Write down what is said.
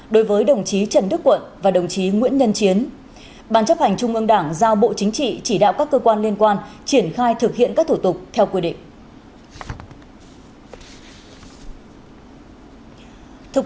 đối với đồng chí trần đức quận và đồng chí nguyễn nhân chiến ban chấp hành trung ương đảng giao bộ chính trị chỉ đạo các cơ quan liên quan triển khai thực hiện các thủ tục theo quy định